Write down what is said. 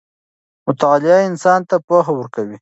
مطالعه انسان ته پوهه ورکوي.